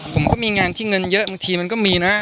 ผมก็มีงานที่เงินเยอะบางทีมันก็มีนะ